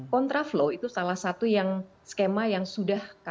kontraflow itu salah satu yang skema yang sudah